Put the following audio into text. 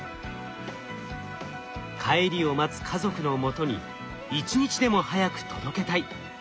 帰りを待つ家族のもとに一日でも早く届けたい。